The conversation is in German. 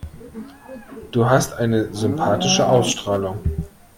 Du hast eine sympathische Ausstrahlung.